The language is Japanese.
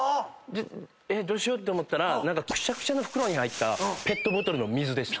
えっどうしようって思ったら何かクシャクシャの袋に入ったペットボトルの水でした。